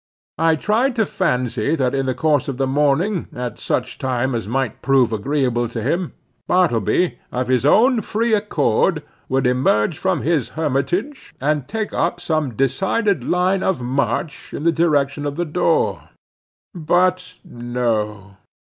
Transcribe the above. I tried to fancy that in the course of the morning, at such time as might prove agreeable to him, Bartleby, of his own free accord, would emerge from his hermitage, and take up some decided line of march in the direction of the door. But no.